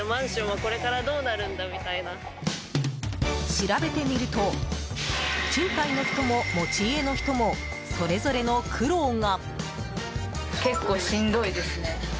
調べてみると賃貸の人も、持ち家の人もそれぞれの苦労が。